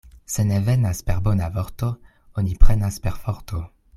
Se ne venas per bona vorto, oni prenas per forto.